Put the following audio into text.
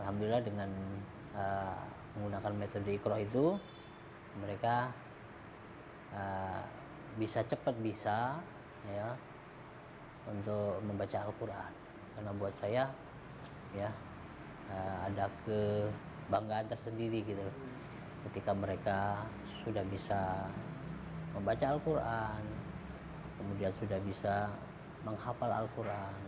alhamdulillah dengan menggunakan metode ikhrok itu mereka bisa cepat bisa untuk membaca alquran karena buat saya ya ada kebanggaan tersendiri gitu ketika mereka sudah bisa membaca alquran kemudian sudah bisa menghapal alquran